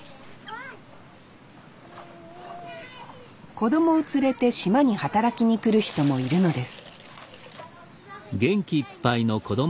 子どもを連れて島に働きに来る人もいるのです